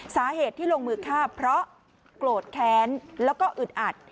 สาเหตุที่ลงมือฆ่าเพราะโกรธแค้นแล้วก็อึดอัด